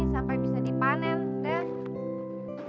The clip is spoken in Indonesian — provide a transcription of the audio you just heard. sampai bisa dipanen deh